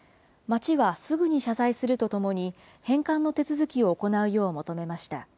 町はすぐに謝罪するとともに、返還の手続きを行うよう求めました。